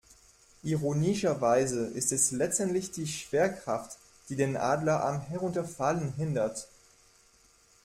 Ironischerweise ist es letztendlich die Schwerkraft, die den Adler am Herunterfallen hindert.